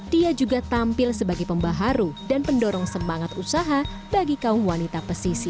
dia juga tampil sebagai pembaharu dan pendorong semangat usaha bagi kaum wanita pesisir